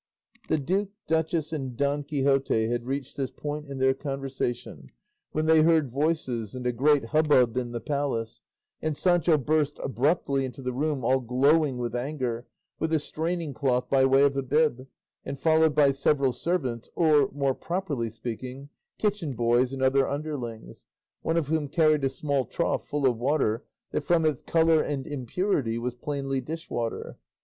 The duke, duchess, and Don Quixote had reached this point in their conversation, when they heard voices and a great hubbub in the palace, and Sancho burst abruptly into the room all glowing with anger, with a straining cloth by way of a bib, and followed by several servants, or, more properly speaking, kitchen boys and other underlings, one of whom carried a small trough full of water, that from its colour and impurity was plainly dishwater.